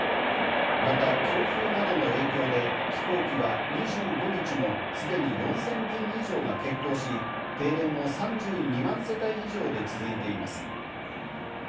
また強風などの影響で、飛行機は２５日もすでに４０００便以上が欠航し、停電も３２万世帯以上で続いています。